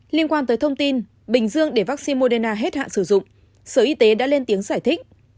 liên quan tới thông tin bình dương để vaccine moderna hết hạn sử dụng sở y tế đã lên tiếng giải thích